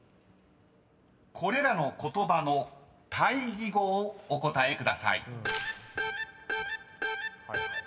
［これらの言葉の対義語をお答えください］